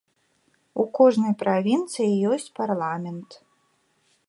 У кожнай правінцыі ёсць парламент.